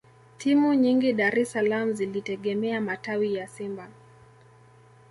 timu nyingi dar es salaam zilitegemea matawi ya simba